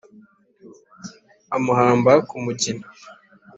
Amuhamba ku mugina.